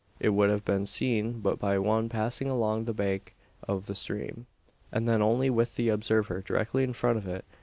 It could have been seen but by one passing along the bank of the stream; and then only with the observer directly in front of it.